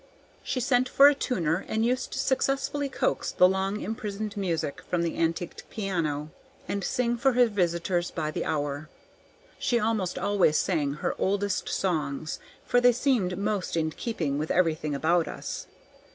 She sent for a tuner, and used to successfully coax the long imprisoned music from the antiquated piano, and sing for her visitors by the hour. She almost always sang her oldest songs, for they seemed most in keeping with everything about us.